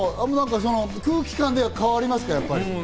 空気感で変わりますか？